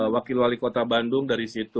wakil wali kota bandung dari situ